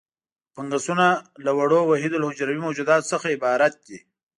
فنګسونه له وړو وحیدالحجروي موجوداتو څخه عبارت دي.